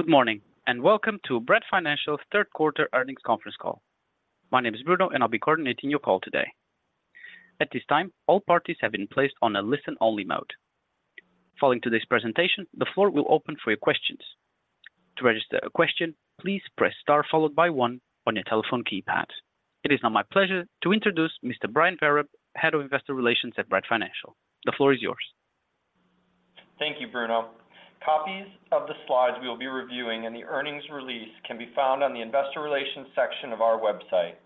Good morning, and welcome to Bread Financial third quarter earnings conference call. My name is Bruno, and I'll be coordinating your call today. At this time, all parties have been placed on a listen-only mode. Following today's presentation, the floor will open for your questions. To register a question, please press star followed by one on your telephone keypad. It is now my pleasure to introduce Mr. Brian Vereb, Head of Investor Relations at Bread Financial. The floor is yours. Thank you, Bruno. Copies of the slides we will be reviewing and the earnings release can be found on the investor relations section of our website.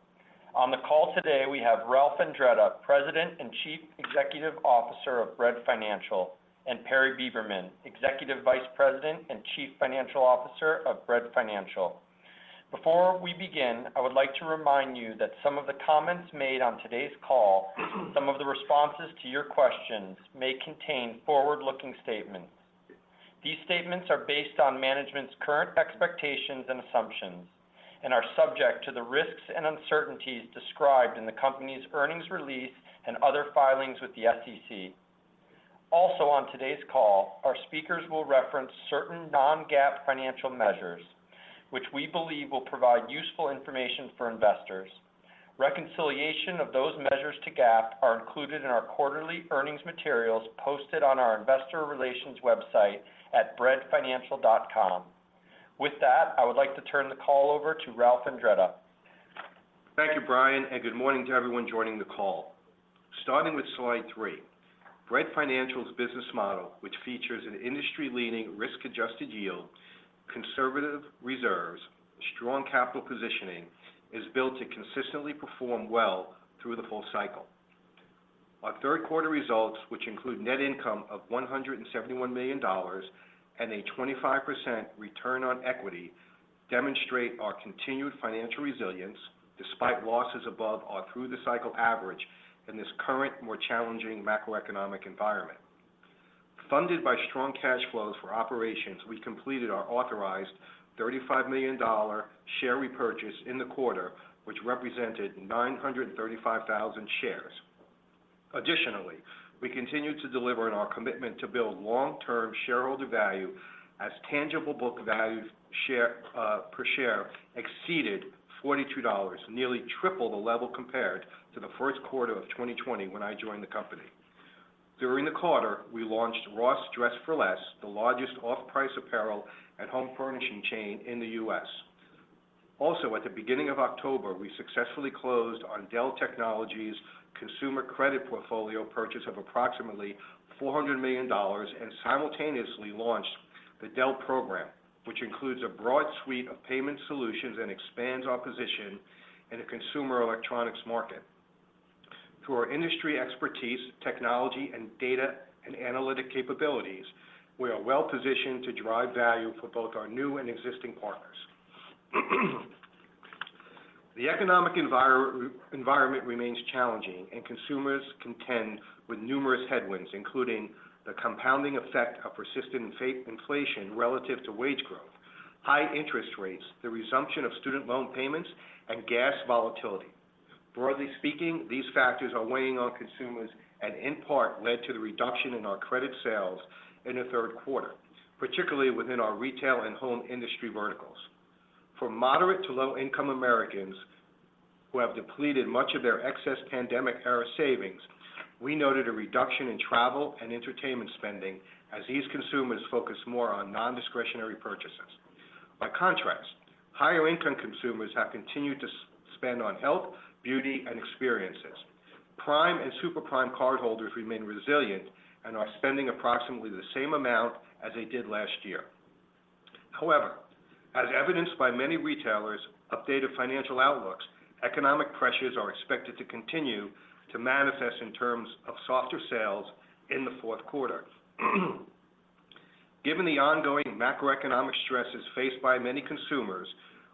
On the call today, we have Ralph Andretta, President and Chief Executive Officer of Bread Financial, and Perry Beberman, Executive Vice President and Chief Financial Officer of Bread Financial. Before we begin, I would like to remind you that some of the comments made on today's call, some of the responses to your questions may contain forward-looking statements. These statements are based on management's current expectations and assumptions and are subject to the risks and uncertainties described in the company's earnings release and other filings with the SEC. Also, on today's call, our speakers will reference certain non-GAAP financial measures, which we believe will provide useful information for investors. Reconciliation of those measures to GAAP are included in our quarterly earnings materials posted on our investor relations website at breadfinancial.com. With that, I would like to turn the call over to Ralph Andretta. Thank you, Brian, and good morning to everyone joining the call. Starting with slide three, Bread Financial's business model, which features an industry-leading risk-adjusted yield, conservative reserves, strong capital positioning, is built to consistently perform well through the full cycle. Our third quarter results, which include net income of $171 million and a 25% return on equity, demonstrate our continued financial resilience despite losses above or through the cycle average in this current, more challenging macroeconomic environment. Funded by strong cash flows for operations, we completed our authorized $35 million share repurchase in the quarter, which represented 935,000 shares. Additionally, we continue to deliver on our commitment to build long-term shareholder value as tangible book value per share exceeded $42, nearly triple the level compared to the first quarter of 2020 when I joined the company. During the quarter, we launched Ross Dress for Less, the largest off-price apparel and home furnishing chain in the U.S. Also, at the beginning of October, we successfully closed on Dell Technologies' consumer credit portfolio purchase of approximately $400 million and simultaneously launched the Dell program, which includes a broad suite of payment solutions and expands our position in the consumer electronics market. Through our industry expertise, technology, and data and analytic capabilities, we are well-positioned to drive value for both our new and existing partners. The economic environment remains challenging and consumers contend with numerous headwinds, including the compounding effect of persistent inflation relative to wage growth, high interest rates, the resumption of student loan payments, and gas volatility. Broadly speaking, these factors are weighing on consumers and in part led to the reduction in our credit sales in the third quarter, particularly within our retail and home industry verticals. For moderate to low-income Americans who have depleted much of their excess pandemic-era savings, we noted a reduction in travel and entertainment spending as these consumers focus more on non-discretionary purchases. By contrast, higher-income consumers have continued to spend on health, beauty, and experiences. Prime and super prime cardholders remain resilient and are spending approximately the same amount as they did last year. However, as evidenced by many retailers' updated financial outlooks, economic pressures are expected to continue to manifest in terms of softer sales in the fourth quarter. Given the ongoing macroeconomic stresses faced by many consumers,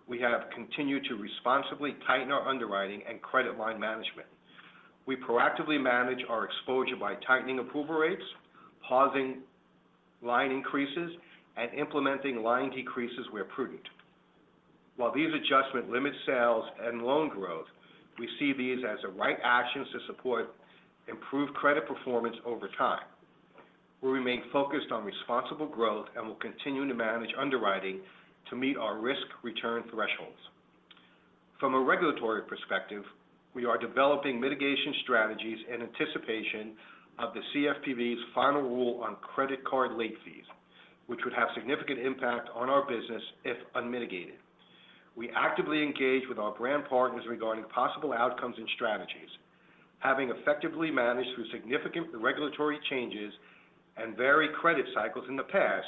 we have continued to responsibly tighten our underwriting and credit line management. We proactively manage our exposure by tightening approval rates, pausing line increases, and implementing line decreases where prudent. While these adjustments limit sales and loan growth, we see these as the right actions to support improved credit performance over time. We remain focused on responsible growth and will continue to manage underwriting to meet our risk-return thresholds. From a regulatory perspective, we are developing mitigation strategies in anticipation of the CFPB's final rule on credit card late fees, which would have significant impact on our business if unmitigated. We actively engage with our brand partners regarding possible outcomes and strategies. Having effectively managed through significant regulatory changes and varied credit cycles in the past,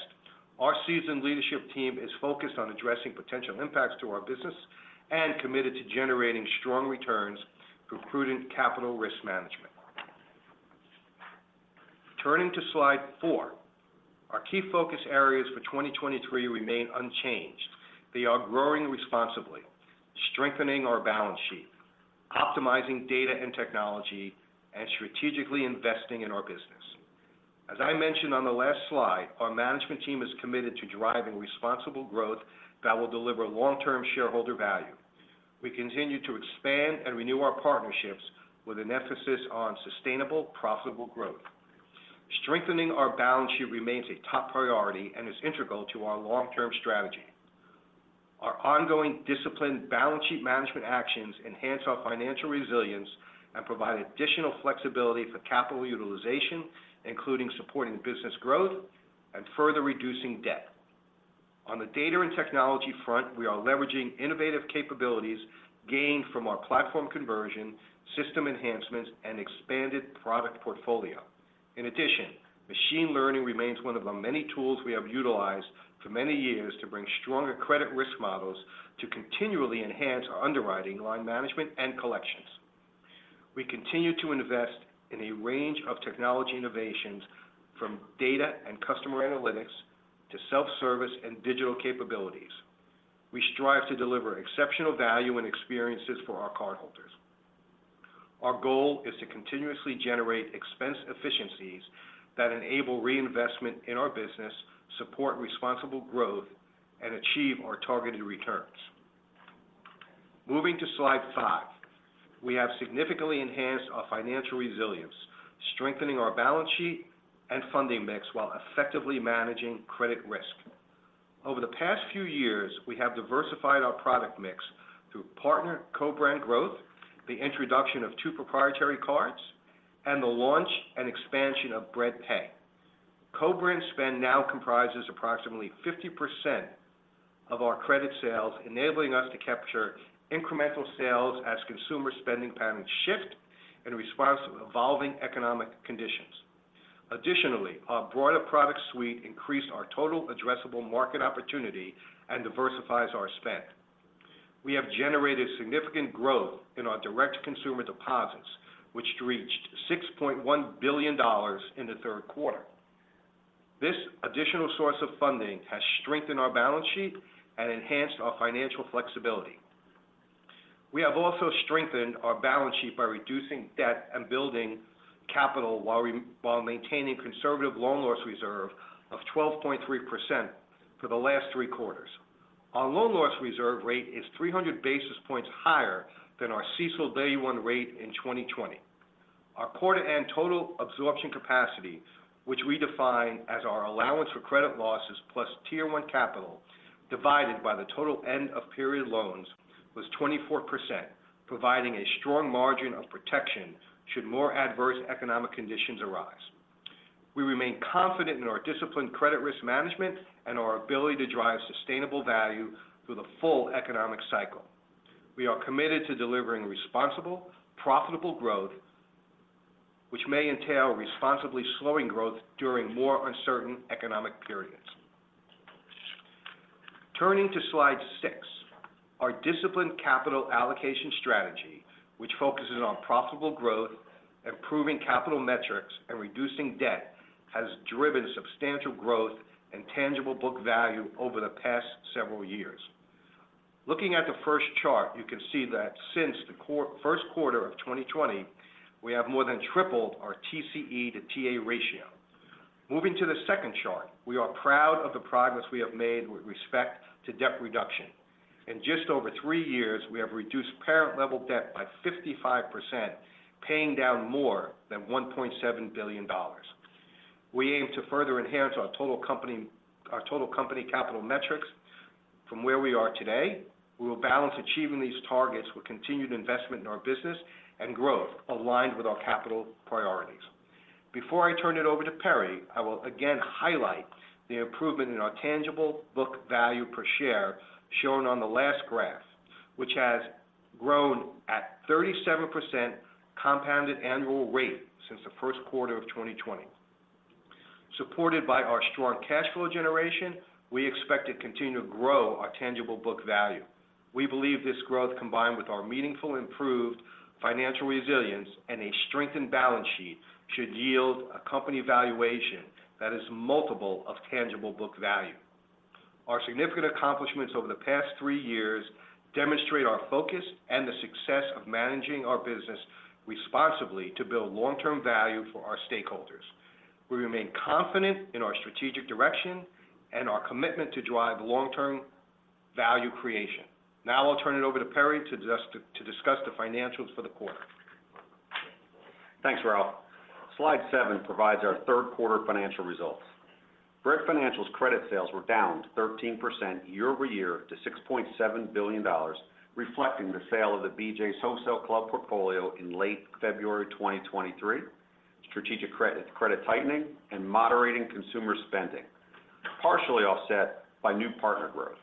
our seasoned leadership team is focused on addressing potential impacts to our business and committed to generating strong returns through prudent capital risk management. Turning to slide 4, our key focus areas for 2023 remain unchanged. They are growing responsibly, strengthening our balance sheet, optimizing data and technology, and strategically investing in our business. As I mentioned on the last slide, our management team is committed to driving responsible growth that will deliver long-term shareholder value. We continue to expand and renew our partnerships with an emphasis on sustainable, profitable growth.... strengthening our balance sheet remains a top priority and is integral to our long-term strategy. Our ongoing disciplined balance sheet management actions enhance our financial resilience and provide additional flexibility for capital utilization, including supporting business growth and further reducing debt. On the data and technology front, we are leveraging innovative capabilities gained from our platform conversion, system enhancements, and expanded product portfolio. In addition, machine learning remains one of the many tools we have utilized for many years to bring stronger credit risk models to continually enhance our underwriting, line management, and collections. We continue to invest in a range of technology innovations, from data and customer analytics to self-service and digital capabilities. We strive to deliver exceptional value and experiences for our cardholders. Our goal is to continuously generate expense efficiencies that enable reinvestment in our business, support responsible growth, and achieve our targeted returns. Moving to slide five. We have significantly enhanced our financial resilience, strengthening our balance sheet and funding mix, while effectively managing credit risk. Over the past few years, we have diversified our product mix through partner co-brand growth, the introduction of two proprietary cards, and the launch and expansion of Bread Pay. Co-brand spend now comprises approximately 50% of our credit sales, enabling us to capture incremental sales as consumer spending patterns shift in response to evolving economic conditions. Additionally, our broader product suite increased our total addressable market opportunity and diversifies our spend. We have generated significant growth in our direct consumer deposits, which reached $6.1 billion in the third quarter. This additional source of funding has strengthened our balance sheet and enhanced our financial flexibility. We have also strengthened our balance sheet by reducing debt and building capital, while maintaining conservative loan loss reserve of 12.3% for the last three quarters. Our loan loss reserve rate is 300 basis points higher than our CECL Day-One rate in 2020. Our quarter end Total Absorption Capacity, which we define as our allowance for credit losses plus Tier 1 capital, divided by the total end of period loans, was 24%, providing a strong margin of protection should more adverse economic conditions arise. We remain confident in our disciplined credit risk management and our ability to drive sustainable value through the full economic cycle. We are committed to delivering responsible, profitable growth, which may entail responsibly slowing growth during more uncertain economic periods. Turning to slide six. Our disciplined capital allocation strategy, which focuses on profitable growth, improving capital metrics, and reducing debt, has driven substantial growth and tangible book value over the past several years. Looking at the first chart, you can see that since the first quarter of 2020, we have more than tripled our TCE to TA ratio. Moving to the second chart, we are proud of the progress we have made with respect to debt reduction. In just over three years, we have reduced parent level debt by 55%, paying down more than $1.7 billion. We aim to further enhance our total company capital metrics from where we are today. We will balance achieving these targets with continued investment in our business and growth aligned with our capital priorities. Before I turn it over to Perry, I will again highlight the improvement in our tangible book value per share, shown on the last graph, which has grown at 37% compounded annual rate since the first quarter of 2020. Supported by our strong cash flow generation, we expect to continue to grow our tangible book value. We believe this growth, combined with our meaningful improved financial resilience and a strengthened balance sheet, should yield a company valuation that is multiple of tangible book value. Our significant accomplishments over the past three years demonstrate our focus and the success of managing our business responsibly to build long-term value for our stakeholders. We remain confident in our strategic direction and our commitment to drive long-term value creation. Now I'll turn it over to Perry to discuss the financials for the quarter. Thanks, Ralph. Slide 7 provides our third quarter financial results. Bread Financial's credit sales were down 13% year-over-year to $6.7 billion, reflecting the sale of the BJ's Wholesale Club portfolio in late February 2023, strategic credit, credit tightening and moderating consumer spending, partially offset by new partner growth.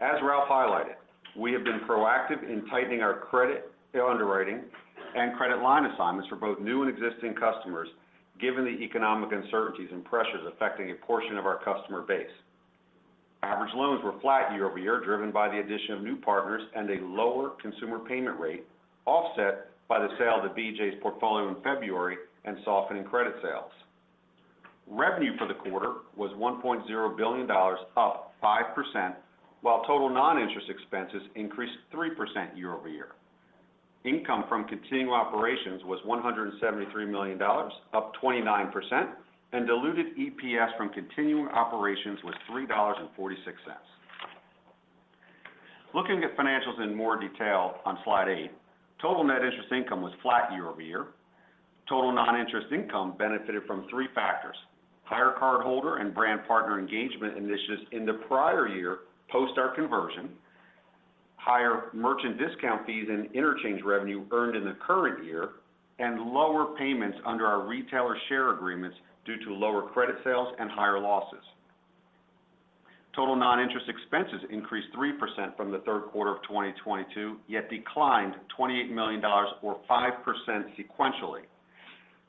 As Ralph highlighted, we have been proactive in tightening our credit underwriting and credit line assignments for both new and existing customers, given the economic uncertainties and pressures affecting a portion of our customer base. Average loans were flat year-over-year, driven by the addition of new partners and a lower consumer payment rate, offset by the sale of the BJ's portfolio in February and softening credit sales. Revenue for the quarter was $1.0 billion, up 5%, while total non-interest expenses increased 3% year-over-year. Income from continuing operations was $173 million, up 29%, and diluted EPS from continuing operations was $3.46. Looking at financials in more detail on slide 8. Total net interest income was flat year-over-year. Total non-interest income benefited from three factors: higher cardholder and brand partner engagement initiatives in the prior year, post our conversion, higher merchant discount fees and interchange revenue earned in the current year, and lower payments under our retailer share agreements due to lower credit sales and higher losses. Total non-interest expenses increased 3% from the third quarter of 2022, yet declined $28 million or 5% sequentially.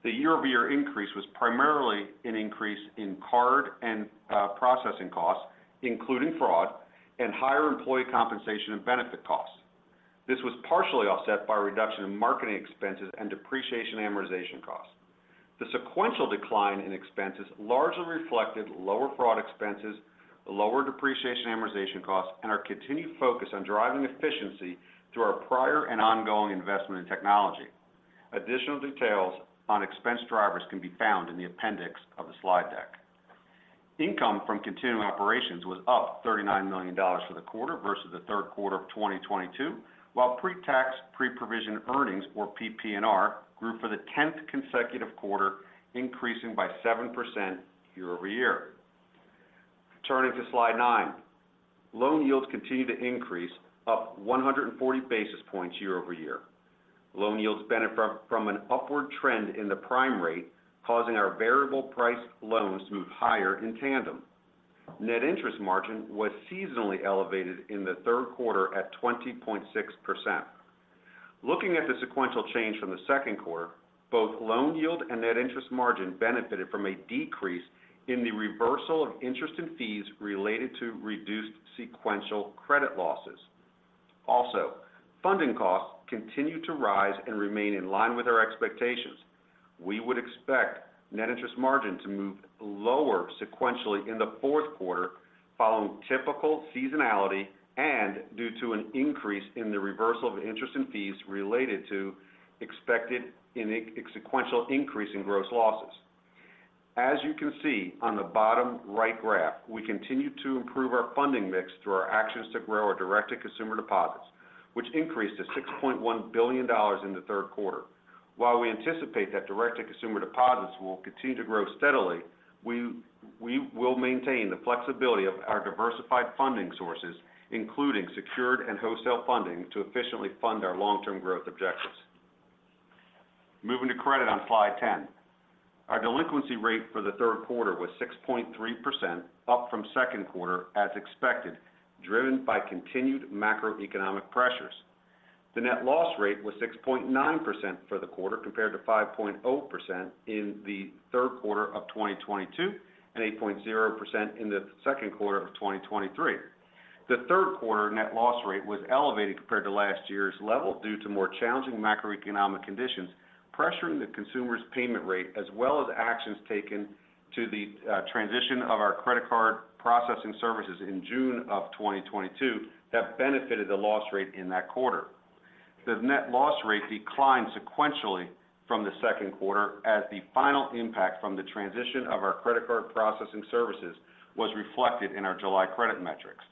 The year-over-year increase was primarily an increase in card and processing costs, including fraud and higher employee compensation and benefit costs. This was partially offset by a reduction in marketing expenses and depreciation amortization costs. The sequential decline in expenses largely reflected lower fraud expenses, lower depreciation amortization costs, and our continued focus on driving efficiency through our prior and ongoing investment in technology. Additional details on expense drivers can be found in the appendix of the slide deck. Income from continuing operations was up $39 million for the quarter versus the third quarter of 2022, while Pre-Tax, Pre-Provision Earnings, or PPNR, grew for the 10th consecutive quarter, increasing by 7% year-over-year. Turning to slide 9. Loan yields continued to increase, up 140 basis points year-over-year. Loan yields benefit from an upward trend in the prime rate, causing our variable price loans to move higher in tandem. Net interest margin was seasonally elevated in the third quarter at 20.6%. Looking at the sequential change from the second quarter, both loan yield and net interest margin benefited from a decrease in the reversal of interest and fees related to reduced sequential credit losses. Also, funding costs continued to rise and remain in line with our expectations. We would expect net interest margin to move lower sequentially in the fourth quarter, following typical seasonality and due to an increase in the reversal of interest and fees related to expected sequential increase in gross losses. As you can see on the bottom right graph, we continue to improve our funding mix through our actions to grow our direct-to-consumer deposits, which increased to $6.1 billion in the third quarter. While we anticipate that direct-to-consumer deposits will continue to grow steadily, we will maintain the flexibility of our diversified funding sources, including secured and wholesale funding, to efficiently fund our long-term growth objectives. Moving to credit on slide 10. Our delinquency rate for the third quarter was 6.3%, up from second quarter as expected, driven by continued macroeconomic pressures. The net loss rate was 6.9% for the quarter, compared to 5.0% in the third quarter of 2022, and 8.0% in the second quarter of 2023. The third quarter net loss rate was elevated compared to last year's level due to more challenging macroeconomic conditions, pressuring the consumer's payment rate, as well as actions taken to the transition of our credit card processing services in June of 2022, that benefited the loss rate in that quarter. The net loss rate declined sequentially from the second quarter, as the final impact from the transition of our credit card processing services was reflected in our July credit metrics.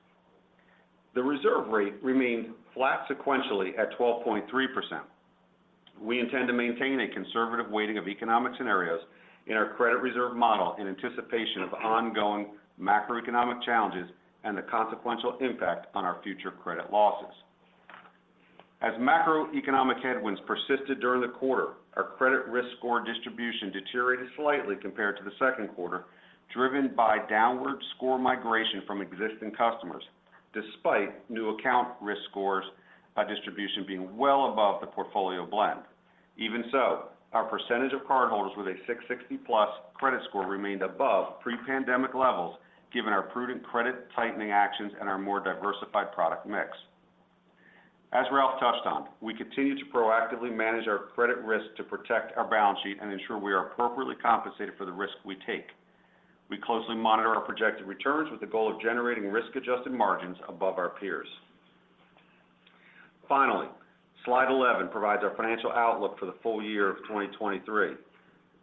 The reserve rate remained flat sequentially at 12.3%. We intend to maintain a conservative weighting of economic scenarios in our credit reserve model in anticipation of ongoing macroeconomic challenges and the consequential impact on our future credit losses. As macroeconomic headwinds persisted during the quarter, our credit risk score distribution deteriorated slightly compared to the second quarter, driven by downward score migration from existing customers, despite new account risk scores, distribution being well above the portfolio blend. Even so, our percentage of cardholders with a 660+ credit score remained above pre-pandemic levels, given our prudent credit tightening actions and our more diversified product mix. As Ralph touched on, we continue to proactively manage our credit risk to protect our balance sheet and ensure we are appropriately compensated for the risk we take. We closely monitor our projected returns with the goal of generating risk-adjusted margins above our peers. Finally, slide 11 provides our financial outlook for the full year of 2023.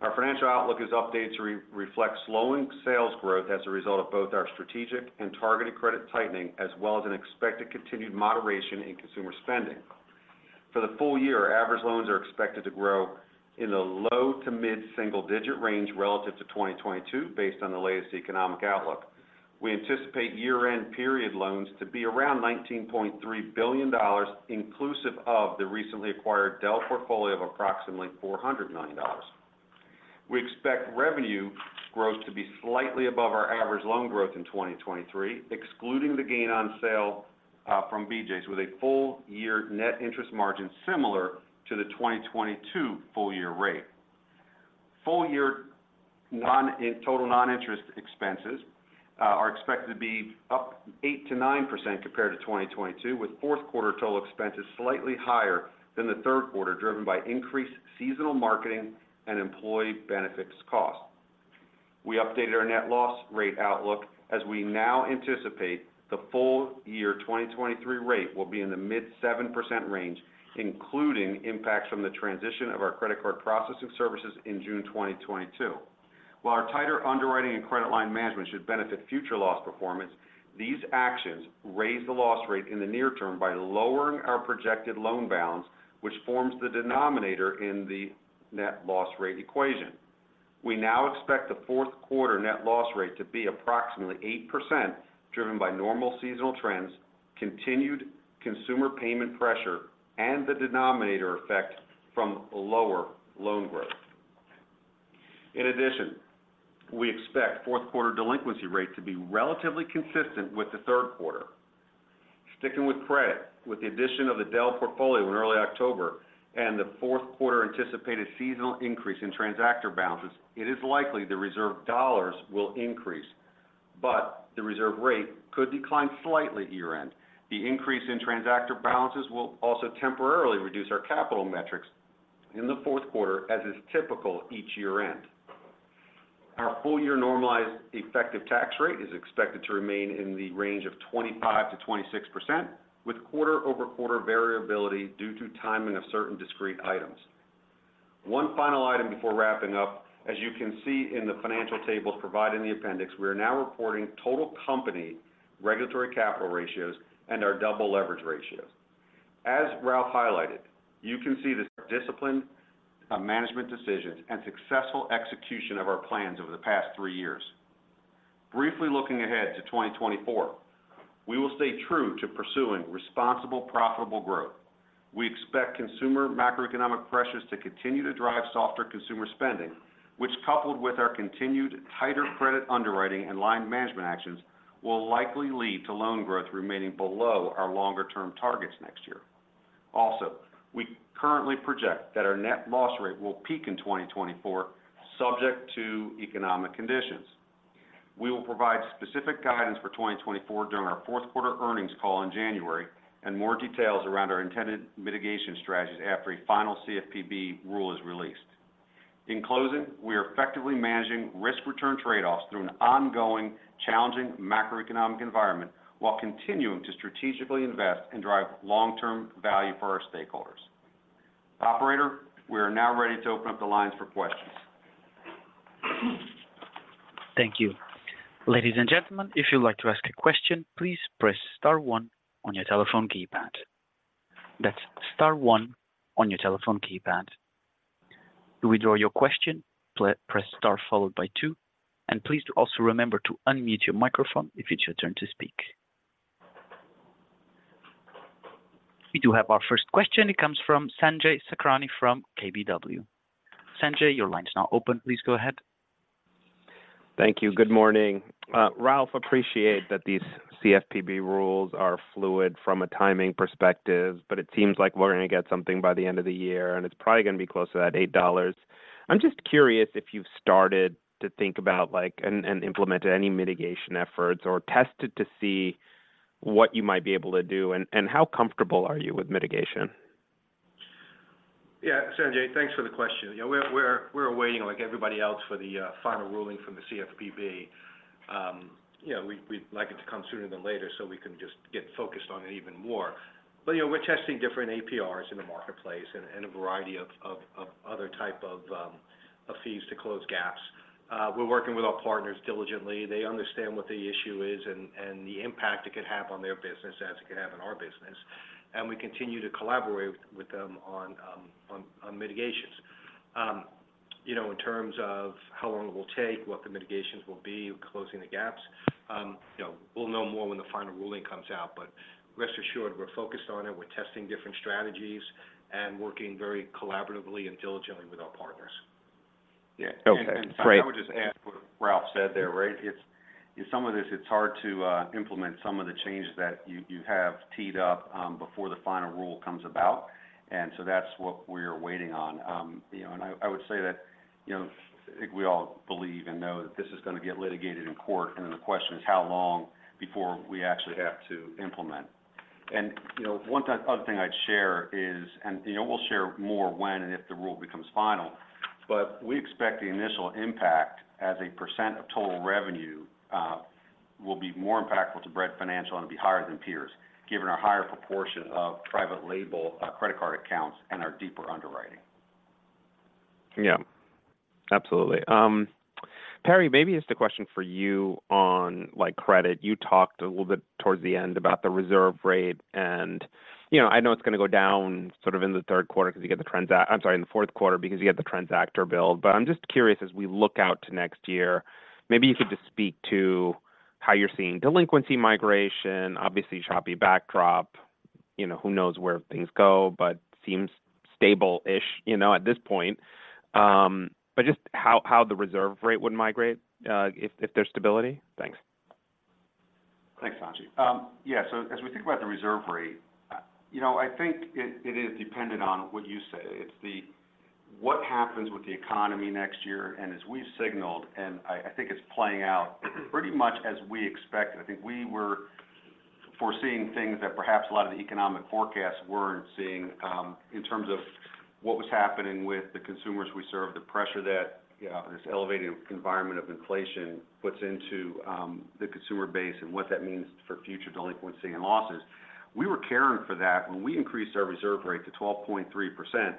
Our financial outlook is updated to reflect slowing sales growth as a result of both our strategic and targeted credit tightening, as well as an expected continued moderation in consumer spending. For the full year, average loans are expected to grow in the low- to mid-single-digit range relative to 2022, based on the latest economic outlook. We anticipate year-end period loans to be around $19.3 billion, inclusive of the recently acquired Dell portfolio of approximately $400 million. We expect revenue growth to be slightly above our average loan growth in 2023, excluding the gain on sale from BJ's, with a full-year net interest margin similar to the 2022 full-year rate. Full-year total non-interest expenses are expected to be up 8%-9% compared to 2022, with fourth quarter total expenses slightly higher than the third quarter, driven by increased seasonal marketing and employee benefits costs. We updated our net loss rate outlook, as we now anticipate the full year 2023 rate will be in the mid-7% range, including impacts from the transition of our credit card processing services in June 2022. While our tighter underwriting and credit line management should benefit future loss performance, these actions raise the loss rate in the near term by lowering our projected loan balance, which forms the denominator in the net loss rate equation. We now expect the fourth quarter net loss rate to be approximately 8%, driven by normal seasonal trends, continued consumer payment pressure, and the denominator effect from lower loan growth. In addition, we expect fourth quarter delinquency rate to be relatively consistent with the third quarter. Sticking with credit, with the addition of the Dell portfolio in early October and the fourth quarter anticipated seasonal increase in transactor balances, it is likely the reserve dollars will increase, but the reserve rate could decline slightly year-end. The increase in transactor balances will also temporarily reduce our capital metrics in the fourth quarter, as is typical each year-end. Our full-year normalized effective tax rate is expected to remain in the range of 25%-26%, with quarter-over-quarter variability due to timing of certain discrete items. One final item before wrapping up. As you can see in the financial tables provided in the appendix, we are now reporting total company regulatory capital ratios and our double leverage ratios. As Ralph highlighted, you can see the disciplined, management decisions and successful execution of our plans over the past 3 years. Briefly looking ahead to 2024, we will stay true to pursuing responsible, profitable growth. We expect consumer macroeconomic pressures to continue to drive softer consumer spending, which, coupled with our continued tighter credit underwriting and line management actions, will likely lead to loan growth remaining below our longer-term targets next year. Also, we currently project that our net loss rate will peak in 2024, subject to economic conditions. We will provide specific guidance for 2024 during our fourth quarter earnings call in January, and more details around our intended mitigation strategies after a final CFPB rule is released. In closing, we are effectively managing risk-return trade-offs through an ongoing, challenging macroeconomic environment, while continuing to strategically invest and drive long-term value for our stakeholders. Operator, we are now ready to open up the lines for questions. Thank you. Ladies and gentlemen, if you'd like to ask a question, please press star one on your telephone keypad. That's star one on your telephone keypad. To withdraw your question, press star followed by two, and please also remember to unmute your microphone if it's your turn to speak. We do have our first question. It comes from Sanjay Sakhrani from KBW. Sanjay, your line is now open. Please go ahead. Thank you. Good morning. Ralph, appreciate that these CFPB rules are fluid from a timing perspective, but it seems like we're going to get something by the end of the year, and it's probably going to be close to that $8. I'm just curious if you've started to think about, like, and, and implemented any mitigation efforts or tested to see what you might be able to do, and, and how comfortable are you with mitigation? Yeah, Sanjay, thanks for the question. You know, we're waiting, like everybody else, for the final ruling from the CFPB. You know, we'd like it to come sooner than later, so we can just get focused on it even more. But, you know, we're testing different APRs in the marketplace and a variety of other type of fees to close gaps. We're working with our partners diligently. They understand what the issue is and the impact it could have on their business, as it could have on our business, and we continue to collaborate with them on mitigations. You know, in terms of how long it will take, what the mitigations will be, closing the gaps, you know, we'll know more when the final ruling comes out, but rest assured, we're focused on it. We're testing different strategies and working very collaboratively and diligently with our partners. Yeah. Okay, great. And I would just add what Ralph said there, right? It's in some of this, it's hard to implement some of the changes that you, you have teed up before the final rule comes about, and so that's what we're waiting on. You know, and I, I would say that, you know, I think we all believe and know that this is going to get litigated in court, and then the question is how long before we actually have to implement. You know, other thing I'd share is, you know, we'll share more when and if the rule becomes final, but we expect the initial impact as a % of total revenue will be more impactful to Bread Financial and be higher than peers, given our higher proportion of private label credit card accounts and our deeper underwriting. Yeah, absolutely. Perry, maybe it's the question for you on, like, credit. You talked a little bit towards the end about the reserve rate, and, you know, I know it's going to go down sort of in the third quarter because you get the transac-- I'm sorry, in the fourth quarter, because you get the transactor build. But I'm just curious, as we look out to next year, maybe you could just speak to how you're seeing delinquency migration. Obviously, choppy backdrop, you know, who knows where things go, but seems stable-ish, you know, at this point. But just how, how the reserve rate would migrate, if, if there's stability? Thanks. Thanks, Sanjay. Yeah, so as we think about the reserve rate, you know, I think it is dependent on what you say. It's what happens with the economy next year, and as we've signaled, I think it's playing out pretty much as we expected. I think we were foreseeing things that perhaps a lot of the economic forecasts weren't seeing, in terms of what was happening with the consumers we serve, the pressure that, you know, this elevated environment-... inflation puts into the consumer base and what that means for future delinquency and losses. We were caring for that when we increased our reserve rate to 12.3%.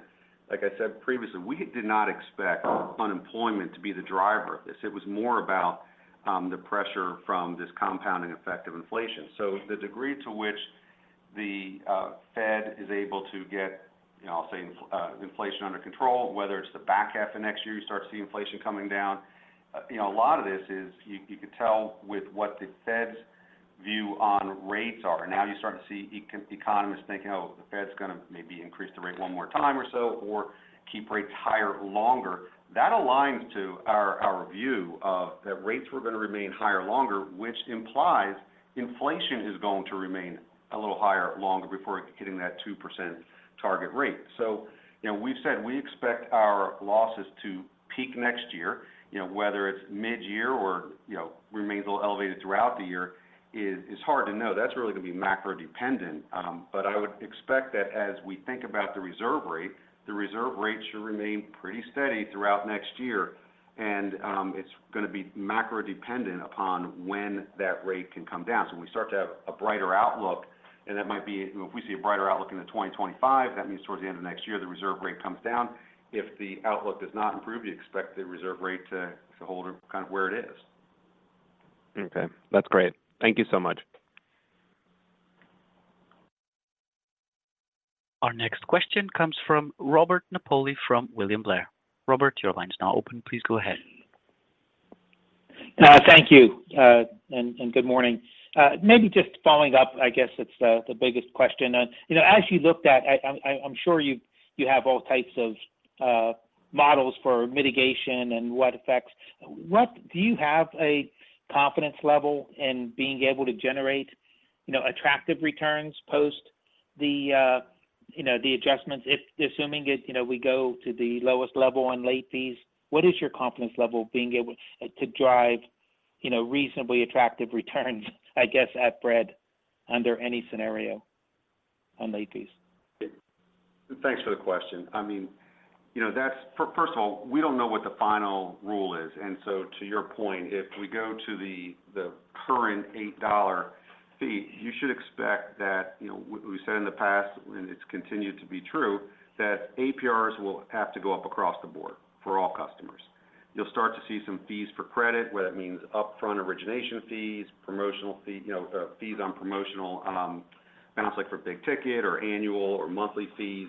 Like I said previously, we did not expect unemployment to be the driver of this. It was more about the pressure from this compounding effect of inflation. So the degree to which the Fed is able to get, you know, I'll say, inflation under control, whether it's the back half of next year, you start to see inflation coming down. You know, a lot of this is you could tell with what the Fed's view on rates are. Now, you start to see economists thinking, oh, the Fed's going to maybe increase the rate one more time or so, or keep rates higher longer. That aligns to our view of that rates were going to remain higher longer, which implies inflation is going to remain a little higher longer before getting that 2% target rate. So, you know, we've said we expect our losses to peak next year. You know, whether it's mid-year or, you know, remains a little elevated throughout the year is hard to know. That's really going to be macro dependent. But I would expect that as we think about the Reserve Rate, the Reserve Rate should remain pretty steady throughout next year, and it's going to be macro dependent upon when that rate can come down. So we start to have a brighter outlook, and that might be, if we see a brighter outlook into 2025, that means towards the end of next year, the Reserve Rate comes down. If the outlook does not improve, you'd expect the Reserve Rate to hold kind of where it is. Okay, that's great. Thank you so much. Our next question comes from Robert Napoli from William Blair. Robert, your line is now open. Please go ahead. Thank you, and good morning. Maybe just following up, I guess it's the biggest question. You know, as you looked at—I’m sure you have all types of models for mitigation and what effects. What do you have a confidence level in being able to generate, you know, attractive returns post the, you know, the adjustments? If assuming it, you know, we go to the lowest level on late fees, what is your confidence level being able to drive, you know, reasonably attractive returns, I guess, at Bread under any scenario on late fees? Thanks for the question. I mean, you know, that's for first of all, we don't know what the final rule is. So to your point, if we go to the current $8 fee, you should expect that, you know, we said in the past, and it's continued to be true, that APRs will have to go up across the board for all customers. You'll start to see some fees for credit, whether it means upfront origination fees, promotional fee, you know, fees on promotional accounts, like for big ticket or annual or monthly fees.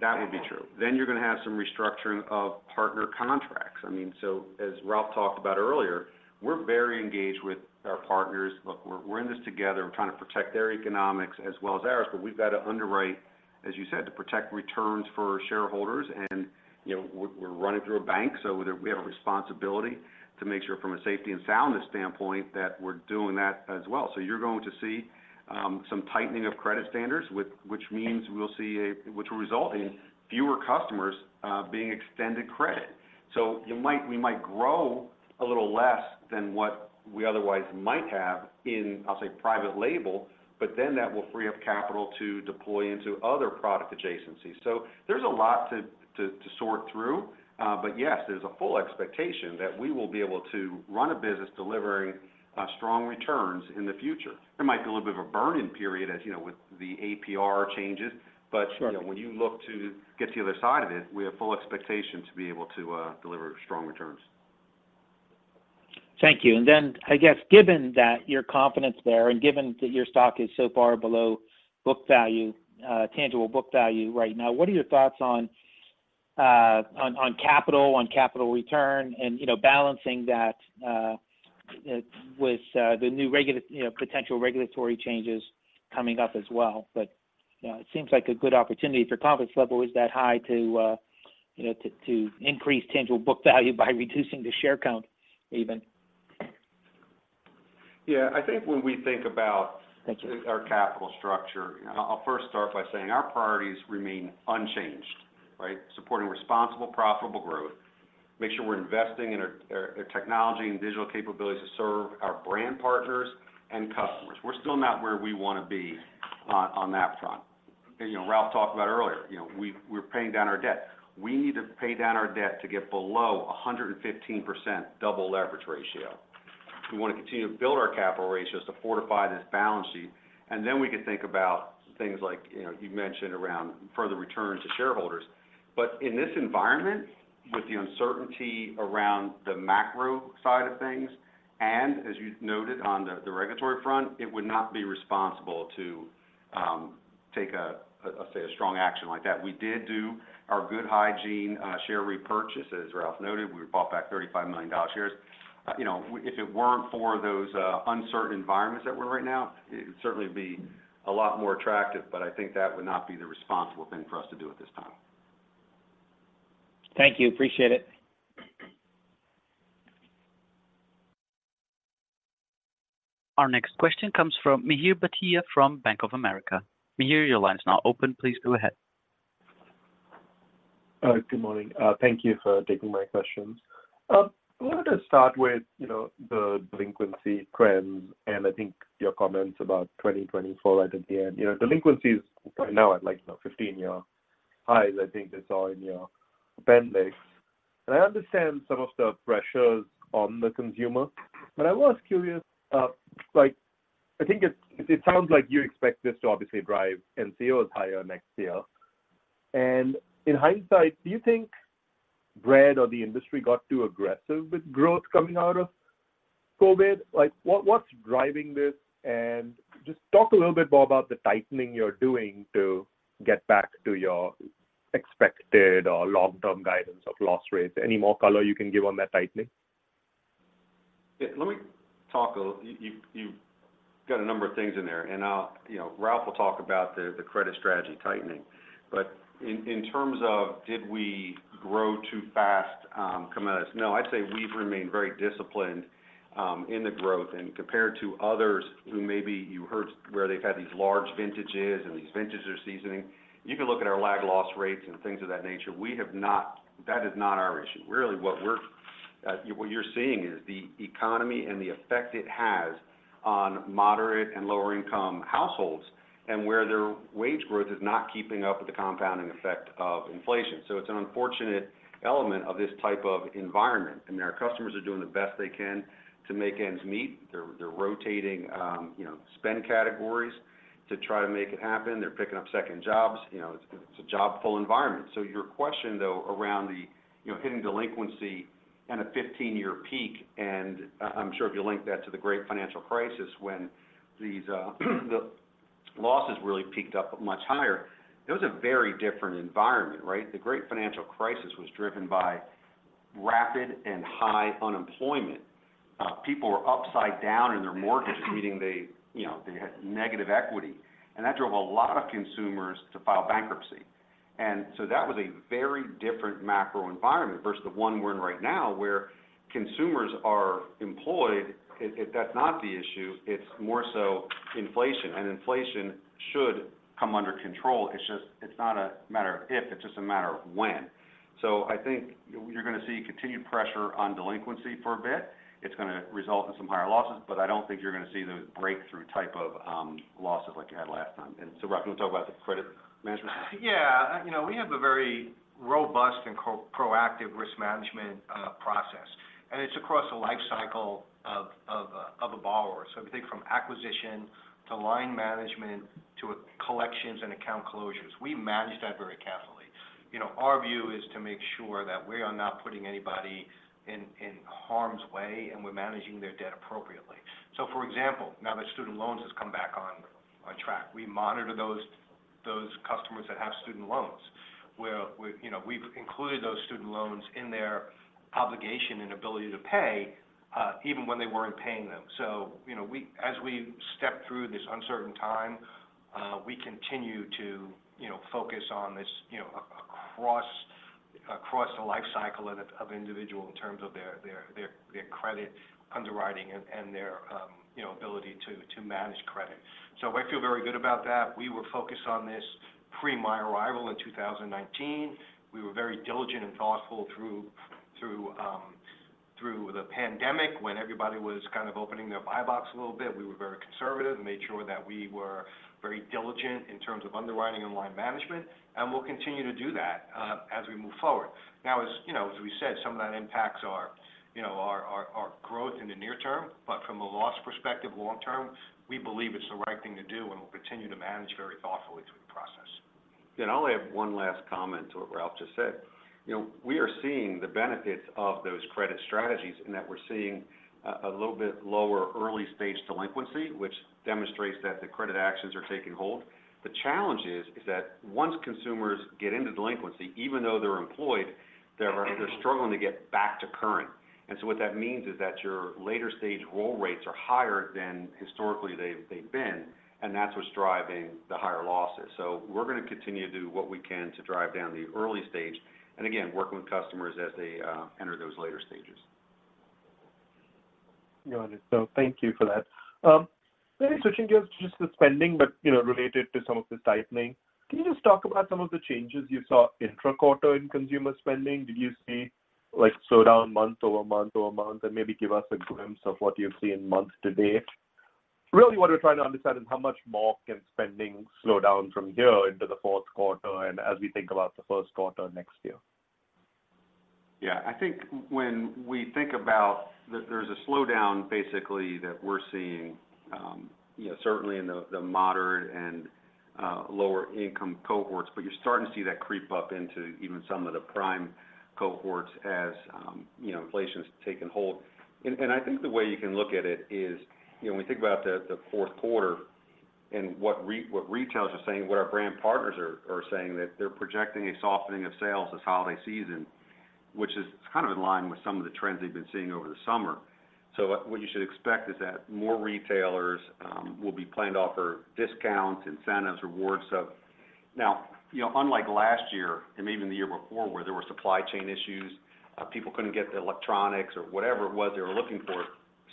That would be true. Then you're going to have some restructuring of partner contracts. I mean, so as Ralph talked about earlier, we're very engaged with our partners. Look, we're in this together. We're trying to protect their economics as well as ours, but we've got to underwrite, as you said, to protect returns for shareholders. And, you know, we're running through a bank, so we have a responsibility to make sure from a safety and soundness standpoint, that we're doing that as well. So you're going to see some tightening of credit standards, which means we'll see which will result in fewer customers being extended credit. So we might grow a little less than what we otherwise might have in, I'll say, private label, but then that will free up capital to deploy into other product adjacencies. So there's a lot to sort through, but yes, there's a full expectation that we will be able to run a business delivering strong returns in the future. There might be a little bit of a burn-in period, as you know, with the APR changes, but. Sure... you know, when you look to get to the other side of it, we have full expectation to be able to deliver strong returns. Thank you. And then, I guess, given that your confidence there, and given that your stock is so far below book value, Tangible Book Value right now, what are your thoughts on, on, on capital, on capital return, and, you know, balancing that, with, the new regulatory, you know, potential regulatory changes coming up as well? But, you know, it seems like a good opportunity if your confidence level is that high to, you know, to, to increase Tangible Book Value by reducing the share count, even. Yeah, I think when we think about- Thank you... our capital structure, I'll first start by saying our priorities remain unchanged, right? Supporting responsible, profitable growth. Make sure we're investing in our technology and digital capabilities to serve our brand partners and customers. We're still not where we want to be on that front. You know, Ralph talked about earlier, you know, we're paying down our debt. We need to pay down our debt to get below 115% double leverage ratio. We want to continue to build our capital ratios to fortify this balance sheet, and then we can think about things like, you know, you mentioned around further returns to shareholders. But in this environment, with the uncertainty around the macro side of things, and as you noted on the regulatory front, it would not be responsible to take, say, a strong action like that. We did do our good hygiene, share repurchase. As Ralph noted, we bought back $35 million shares. You know, if it weren't for those, uncertain environments that we're in right now, it would certainly be a lot more attractive, but I think that would not be the responsible thing for us to do at this time. Thank you. Appreciate it. Our next question comes from Mihir Bhatia from Bank of America. Mihir, your line is now open. Please go ahead. Good morning. Thank you for taking my questions. I wanted to start with, you know, the delinquency trends and I think your comments about 2024 right at the end. You know, delinquency is right now at, like, you know, 15-year highs, I think that's all in your appendix. And I understand some of the pressures on the consumer, but I was curious, like, I think it sounds like you expect this to obviously drive NCOs higher next year. And in hindsight, do you think Bread or the industry got too aggressive with growth coming out of COVID? Like, what's driving this? And just talk a little bit more about the tightening you're doing to get back to your expected or long-term guidance of loss rates. Any more color you can give on that tightening? Yeah. Let me talk a little, you, you've got a number of things in there, and I'll, you know, Ralph will talk about the credit strategy tightening. But in terms of did we grow too fast, coming out of this? No, I'd say we've remained very disciplined in the growth. And compared to others who maybe you heard where they've had these large vintages and these vintages are seasoning, you can look at our lag loss rates and things of that nature. We have not. That is not our issue. Really, what we're, what you're seeing is the economy and the effect it has on moderate and lower-income households, and where their wage growth is not keeping up with the compounding effect of inflation. So it's an unfortunate element of this type of environment, and our customers are doing the best they can to make ends meet. They're rotating, you know, spend categories to try to make it happen. They're picking up second jobs. You know, it's a job-full environment. So your question, though, around the you know hitting delinquency and a 15-year peak, and I'm sure if you link that to the great financial crisis when the losses really peaked up much higher, it was a very different environment, right? The great financial crisis was driven by rapid and high unemployment. People were upside down in their mortgages, meaning they you know they had negative equity, and that drove a lot of consumers to file bankruptcy. And so that was a very different macro environment versus the one we're in right now, where consumers are employed. That's not the issue, it's more so inflation, and inflation should come under control. It's just, it's not a matter of if, it's just a matter of when. So I think you're going to see continued pressure on delinquency for a bit. It's going to result in some higher losses, but I don't think you're going to see those breakthrough type of losses like you had last time. And so, Ralph, you want to talk about the credit management? Yeah. You know, we have a very robust and proactive risk management process, and it's across the life cycle of a borrower. So if you think from acquisition to line management to collections and account closures, we manage that very carefully. You know, our view is to make sure that we are not putting anybody in harm's way, and we're managing their debt appropriately. So, for example, now that student loans has come back on track, we monitor those customers that have student loans, where we, you know, we've included those student loans in their obligation and ability to pay, even when they weren't paying them. So, you know, we as we step through this uncertain time, we continue to, you know, focus on this, you know, across the life cycle of a individual in terms of their credit underwriting and their, you know, ability to manage credit. So I feel very good about that. We were focused on this pre my arrival in 2019. We were very diligent and thoughtful through the pandemic, when everybody was kind of opening their buy box a little bit. We were very conservative and made sure that we were very diligent in terms of underwriting and line management, and we'll continue to do that as we move forward. Now, as you know, as we said, some of that impacts our, you know, our growth in the near term, but from a loss perspective, long term, we believe it's the right thing to do, and we'll continue to manage very thoughtfully through the process. Yeah. And I only have one last comment to what Ralph just said. You know, we are seeing the benefits of those credit strategies in that we're seeing a, a little bit lower early-stage delinquency, which demonstrates that the credit actions are taking hold. The challenge is, is that once consumers get into delinquency, even though they're employed, they're, they're struggling to get back to current. And so what that means is that your later-stage roll rates are higher than historically they've, they've been, and that's what's driving the higher losses. So we're going to continue to do what we can to drive down the early stage, and again, working with customers as they enter those later stages. Got it. So thank you for that. Maybe switching gears to just the spending but, you know, related to some of the tightening. Can you just talk about some of the changes you saw intraquarter in consumer spending? Did you see, like, slowdown month-over-month? And maybe give us a glimpse of what you've seen month to date. Really, what we're trying to understand is how much more can spending slow down from here into the fourth quarter, and as we think about the first quarter next year. Yeah. I think when we think about... There's a slowdown, basically, that we're seeing, you know, certainly in the, the moderate and, lower-income cohorts, but you're starting to see that creep up into even some of the prime cohorts as, you know, inflation's taken hold. And, and I think the way you can look at it is, you know, when we think about the, the fourth quarter and what retailers are saying, what our brand partners are, are saying, that they're projecting a softening of sales this holiday season, which is kind of in line with some of the trends they've been seeing over the summer. So what you should expect is that more retailers, will be planning to offer discounts, incentives, rewards. So now, you know, unlike last year and even the year before, where there were supply chain issues, people couldn't get the electronics or whatever it was they were looking for,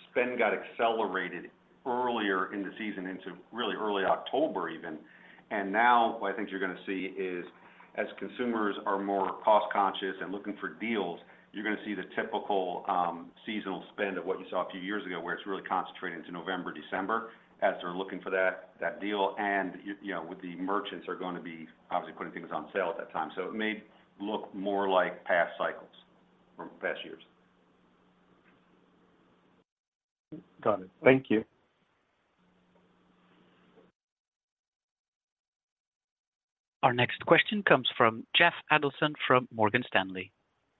spend got accelerated earlier in the season into really early October even. And now what I think you're going to see is, as consumers are more cost-conscious and looking for deals, you're going to see the typical, seasonal spend of what you saw a few years ago, where it's really concentrated into November, December, as they're looking for that, that deal. And you know, with the merchants are going to be obviously putting things on sale at that time. So it may look more like past cycles from past years.... Got it. Thank you. Our next question comes from Jeff Adelson from Morgan Stanley.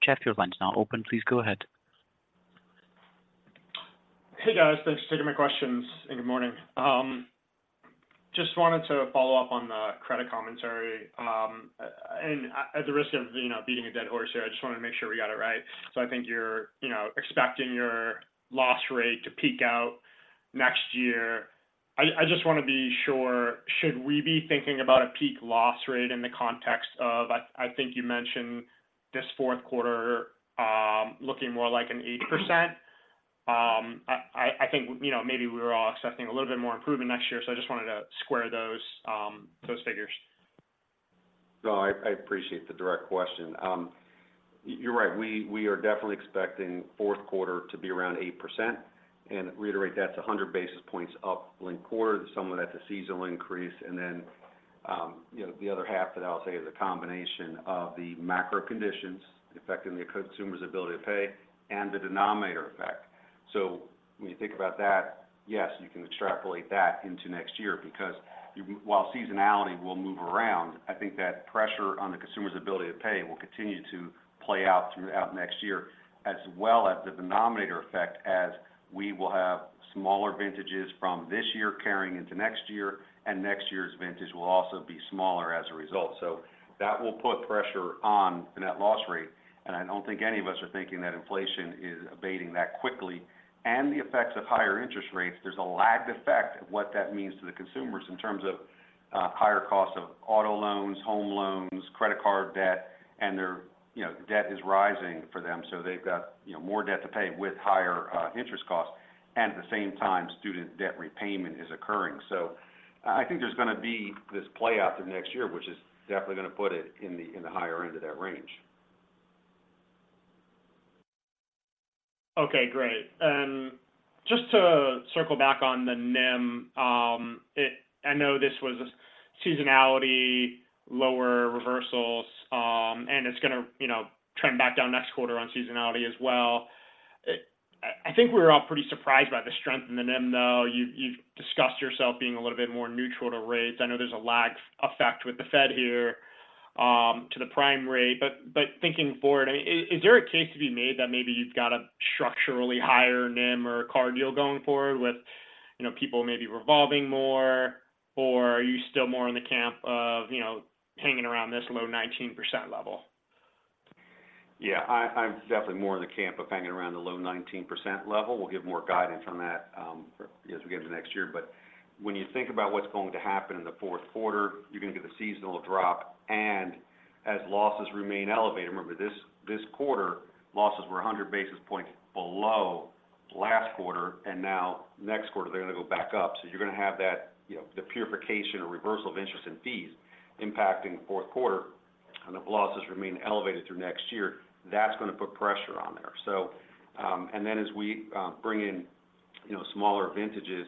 Jeff, your line's now open. Please go ahead. Hey, guys. Thanks for taking my questions, and good morning. Just wanted to follow up on the credit commentary. And at the risk of, you know, beating a dead horse here, I just wanted to make sure we got it right. So I think you're, you know, expecting your loss rate to peak out next year. I just want to be sure, should we be thinking about a peak loss rate in the context of, I think you mentioned this fourth quarter, looking more like an 8%? I think, you know, maybe we were all expecting a little bit more improvement next year, so I just wanted to square those figures. No, I appreciate the direct question. You're right, we are definitely expecting fourth quarter to be around 8%. And to reiterate, that's 100 basis points up linked quarter. Some of that's a seasonal increase, and then, you know, the other half that I'll say is a combination of the macro conditions affecting the consumer's ability to pay and the denominator effect. So when you think about that, yes, you can extrapolate that into next year because while seasonality will move around, I think that pressure on the consumer's ability to pay will continue to play out throughout next year. As well as the denominator effect, as we will have smaller vintages from this year carrying into next year, and next year's vintage will also be smaller as a result. So that will put pressure on the net loss rate, and I don't think any of us are thinking that inflation is abating that quickly. And the effects of higher interest rates, there's a lagged effect of what that means to the consumers in terms of higher costs of auto loans, home loans, credit card debt, and their, you know, debt is rising for them. So they've got, you know, more debt to pay with higher interest costs, and at the same time, student debt repayment is occurring. So I think there's going to be this play out through next year, which is definitely going to put it in the higher end of that range. Okay, great. Just to circle back on the NIM, I know this was a seasonality, lower reversals, and it's going to, you know, trend back down next quarter on seasonality as well. I think we're all pretty surprised by the strength in the NIM, though. You've discussed yourself being a little bit more neutral to rates. I know there's a lag effect with the Fed here to the prime rate. But thinking forward, is there a case to be made that maybe you've got a structurally higher NIM or a card deal going forward with, you know, people maybe revolving more? Or are you still more in the camp of, you know, hanging around this low 19% level? Yeah, I'm definitely more in the camp of hanging around the low 19% level. We'll give more guidance on that as we get into next year. But when you think about what's going to happen in the fourth quarter, you're going to get the seasonal drop, and as losses remain elevated. Remember, this quarter, losses were 100 basis points below last quarter, and now next quarter, they're going to go back up. So you're going to have that, you know, the purification or reversal of interest and fees impacting the fourth quarter, and the losses remain elevated through next year. That's going to put pressure on there. So, and then as we bring in, you know, smaller vintages,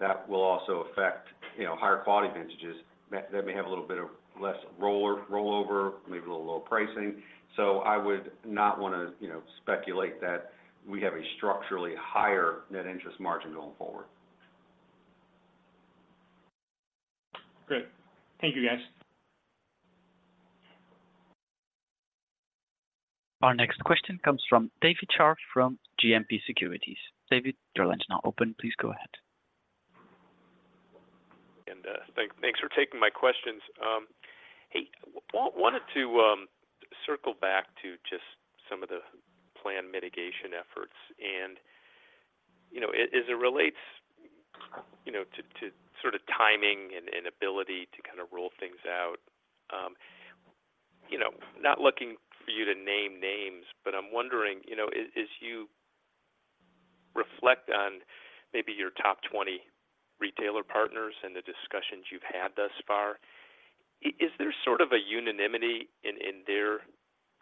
that will also affect, you know, higher quality vintages. That may have a little bit of less rollover, maybe a little lower pricing. So I would not want to, you know, speculate that we have a structurally higher net interest margin going forward. Great. Thank you, guys. Our next question comes from David Scharf from JMP Securities. David, your line is now open. Please go ahead. Thanks for taking my questions. Hey, wanted to circle back to just some of the plan mitigation efforts. You know, as it relates, you know, to sort of timing and ability to kind of roll things out, you know, not looking for you to name names, but I'm wondering, you know, as you reflect on maybe your top 20 retailer partners and the discussions you've had thus far, is there sort of a unanimity in their,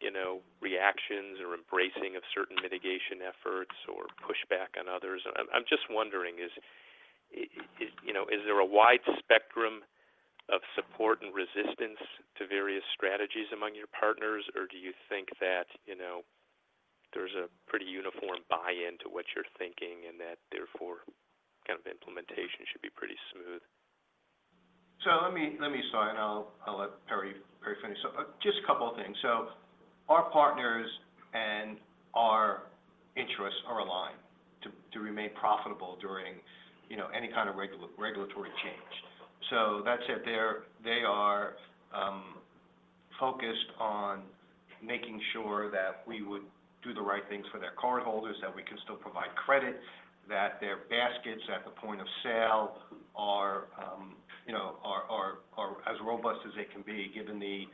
you know, reactions or embracing of certain mitigation efforts or pushback on others? I'm just wondering, you know, is there a wide spectrum of support and resistance to various strategies among your partners, or do you think that, you know, there's a pretty uniform buy-in to what you're thinking and that therefore, kind of implementation should be pretty smooth? So let me start, and I'll let Perry finish. So, just a couple of things. So our partners and our interests are aligned to remain profitable during, you know, any kind of regulatory change. So that said, they are focused on making sure that we would do the right things for their cardholders, that we can still provide credit, that their baskets at the point of sale are, you know, as robust as they can be, given the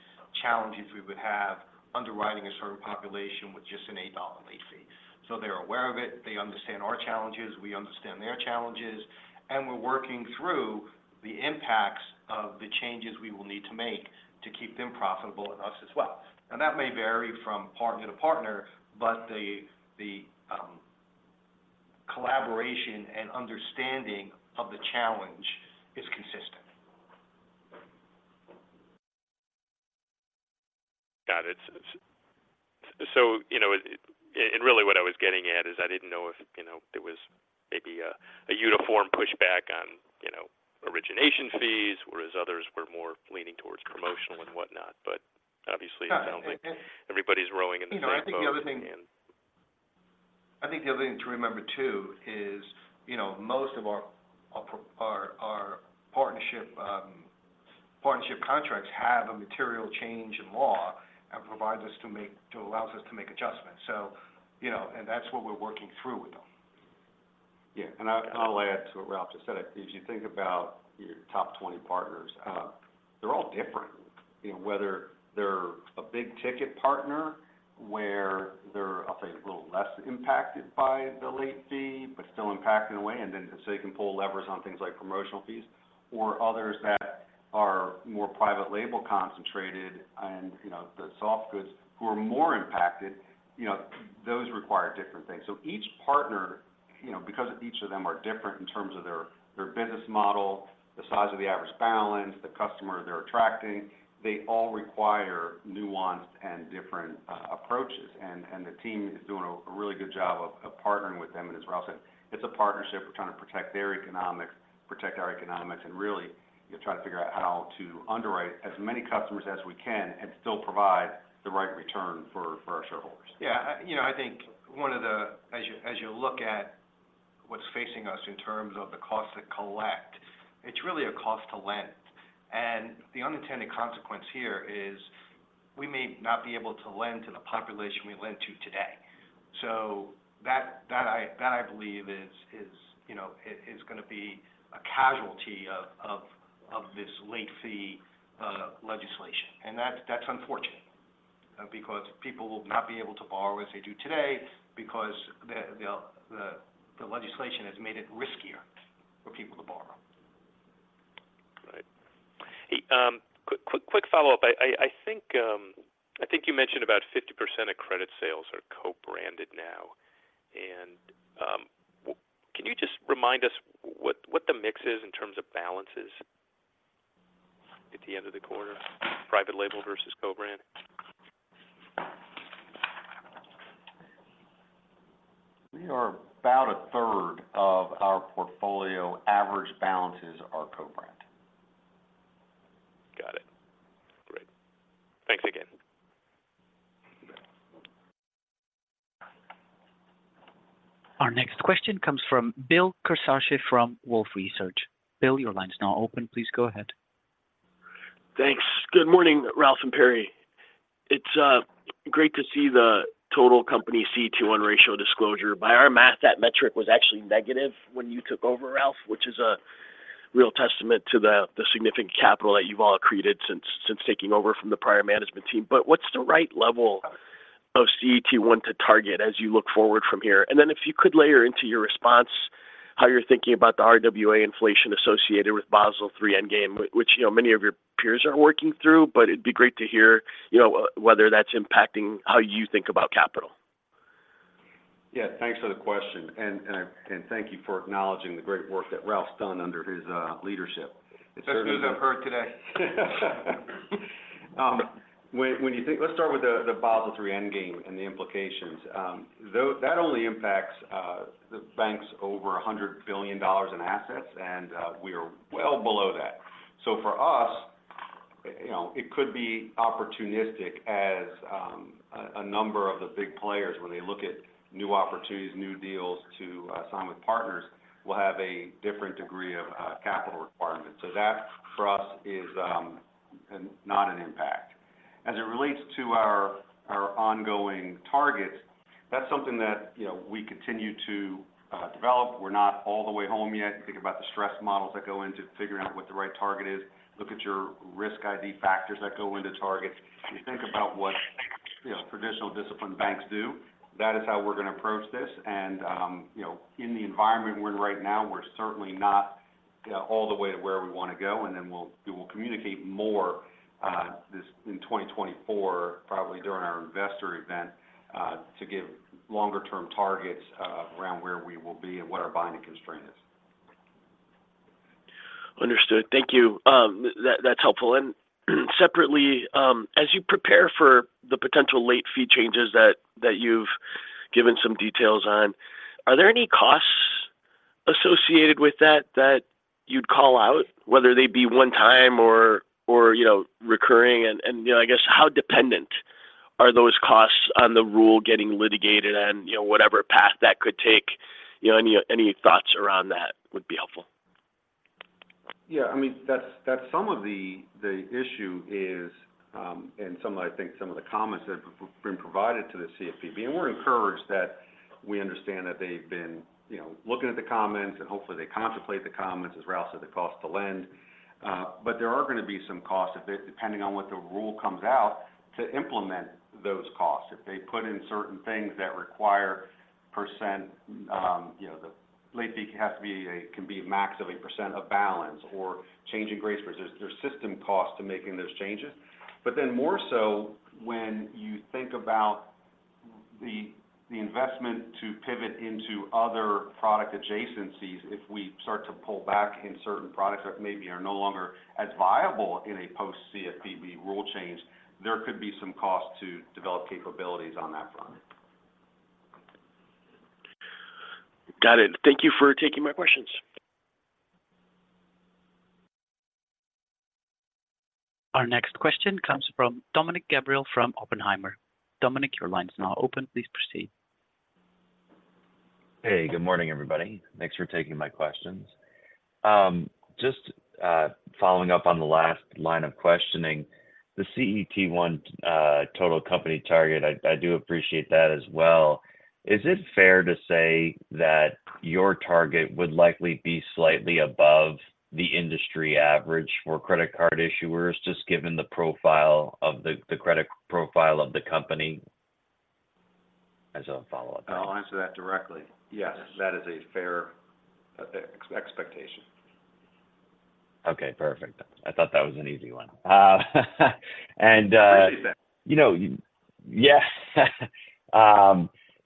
challenges we would have underwriting a certain population with just an $8 late fee. So they're aware of it. They understand our challenges, we understand their challenges, and we're working through the impacts of the changes we will need to make to keep them profitable and us as well. Now, that may vary from partner to partner, but the collaboration and understanding of the challenge is consistent.... Got it. So, you know, and really what I was getting at is I didn't know if, you know, there was maybe a uniform pushback on, you know, origination fees, whereas others were more leaning towards promotional and whatnot. But obviously, it sounds like everybody's rowing in the same boat. You know, I think the other thing to remember, too, is, you know, most of our partnership contracts have a material change in law and provides us to make adjustments. So, you know, and that's what we're working through with them. Yeah, and I, and I'll add to what Ralph just said. If you think about your top 20 partners, they're all different. You know, whether they're a big-ticket partner, where they're, I'll say, a little less impacted by the late fee, but still impacted in a way, and then so you can pull levers on things like promotional fees, or others that are more private label concentrated and, you know, the soft goods who are more impacted, you know, those require different things. So each partner, you know, because each of them are different in terms of their, their business model, the size of the average balance, the customer they're attracting, they all require nuanced and different approaches. And, and the team is doing a really good job of, of partnering with them. And as Ralph said, it's a partnership. We're trying to protect their economics, protect our economics, and really, you know, try to figure out how to underwrite as many customers as we can and still provide the right return for, for our shareholders. Yeah, you know, I think one of the as you look at what's facing us in terms of the cost to collect, it's really a cost to lend. And the unintended consequence here is we may not be able to lend to the population we lend to today. So that I believe is, you know, gonna be a casualty of this late fee legislation. And that's unfortunate because people will not be able to borrow as they do today because the legislation has made it riskier for people to borrow. Right. Hey, quick, quick, quick follow-up. I think you mentioned about 50% of credit sales are co-branded now. And can you just remind us what the mix is in terms of balances at the end of the quarter, private label versus co-brand? We are about a third of our portfolio. Average balances are co-brand. Got it. Great. Thanks again. Our next question comes from Bill Carcache from Wolfe Research. Bill, your line is now open. Please go ahead. Thanks. Good morning, Ralph and Perry. It's great to see the total company CET1 ratio disclosure. By our math, that metric was actually negative when you took over, Ralph, which is a real testament to the significant capital that you've all accreted since taking over from the prior management team. But what's the right level of CET1 to target as you look forward from here? And then if you could layer into your response, how you're thinking about the RWA inflation associated with Basel III Endgame, which, you know, many of your peers are working through, but it'd be great to hear, you know, whether that's impacting how you think about capital. Yeah, thanks for the question. And thank you for acknowledging the great work that Ralph's done under his leadership. Best news I've heard today. When you think, let's start with the Basel III Endgame and the implications. That only impacts the banks over $100 billion in assets, and we are well below that. So for us, you know, it could be opportunistic as a number of the big players, when they look at new opportunities, new deals to sign with partners, will have a different degree of capital requirements. So that, for us, is not an impact. As it relates to our ongoing targets, that's something that, you know, we continue to develop. We're not all the way home yet. You think about the stress models that go into figuring out what the right target is, look at your risk ID factors that go into targets. You think about what, you know, traditional disciplined banks do, that is how we're going to approach this. And, you know, in the environment we're in right now, we're certainly not all the way to where we want to go, and then we will communicate more, in 2024, probably during our investor event, to give longer-term targets, around where we will be and what our binding constraint is. Understood. Thank you. That, that's helpful. And separately, as you prepare for the potential late fee changes that, that you've given some details on, are there any costs associated with that, that you'd call out, whether they be one time or, or, you know, recurring? And, and, you know, I guess, how dependent are those costs on the rule getting litigated and, you know, whatever path that could take? You know, any, any thoughts around that would be helpful. Yeah, I mean, that's some of the issue is, and some of, I think, some of the comments that have been provided to the CFPB, and we're encouraged that we understand that they've been, you know, looking at the comments, and hopefully, they contemplate the comments, as Ralph said, the cost to lend. But there are going to be some costs, if they, depending on what the rule comes out, to implement those costs. If they put in certain things that require percent, you know, the late fee has to be a, can be max of a percent of balance or change in grace periods. There's system costs to making those changes. But then more so, when you think about-... The investment to pivot into other product adjacencies, if we start to pull back in certain products that maybe are no longer as viable in a post-CFPB rule change, there could be some cost to develop capabilities on that front. Got it. Thank you for taking my questions. Our next question comes from Dominick Gabriele from Oppenheimer. Dominic, your line is now open. Please proceed. Hey, good morning, everybody. Thanks for taking my questions. Just following up on the last line of questioning, the CET1 total company target, I do appreciate that as well. Is it fair to say that your target would likely be slightly above the industry average for credit card issuers, just given the profile of the credit profile of the company? As a follow-up. I'll answer that directly. Yes, that is a fair expectation. Okay, perfect. I thought that was an easy one. And- Appreciate that. You know, yeah.